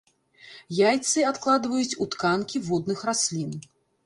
Яйцы адкладваюць у тканкі водных раслін.